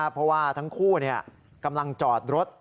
เพราะว่าทั้งคู่กำลังจอดรถ